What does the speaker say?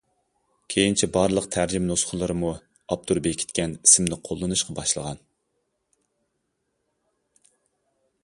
كېيىنچە بارلىق تەرجىمە نۇسخىلىرىمۇ ئاپتور بېكىتكەن ئىسىمنى قوللىنىشقا باشلىغان.